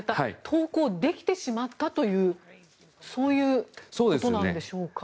投稿できてしまったというそういうことなんでしょうか？